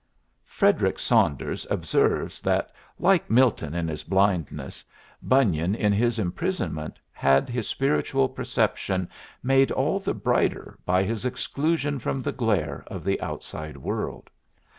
Frederick Saunders observes that, like Milton in his blindness, Bunyan in his imprisonment had his spiritual perception made all the brighter by his exclusion from the glare of the outside world.